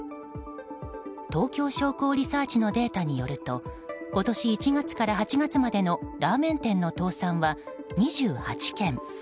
東京商工リサーチのデータによると今年１月から８月までのラーメン店の倒産は２８件。